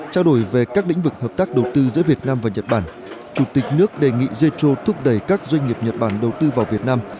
trao đổi về các lĩnh vực hợp tác đầu tư giữa việt nam và nhật bản chủ tịch nước đề nghị zecho thúc đẩy các doanh nghiệp nhật bản đầu tư vào việt nam